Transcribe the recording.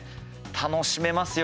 楽しめますよ